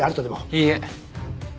いいえ。